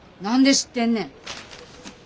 何で知ってんねん。